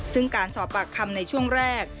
ซึ่งการสอบปากคำในช่วงแรก